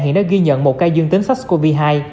hiện đã ghi nhận một ca dương tính sars cov hai